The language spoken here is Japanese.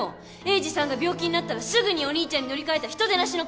栄治さんが病気になったらすぐにお兄ちゃんに乗り換えた人でなしのくせに！